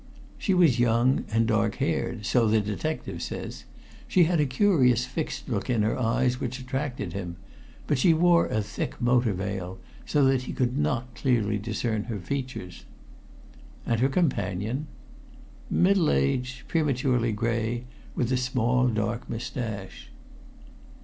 "She was young and dark haired, so the detective says. She had a curious fixed look in her eyes which attracted him, but she wore a thick motor veil, so that he could not clearly discern her features." "And her companion?" "Middle aged, prematurely gray, with a small dark mustache."